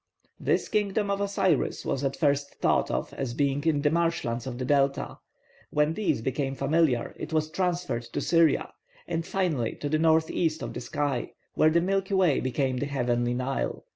This kingdom of Osiris was at first thought of as being in the marshlands of the delta; when these became familiar it was transferred to Syria, and finally to the north east of the sky, where the Milky Way became the heavenly Nile.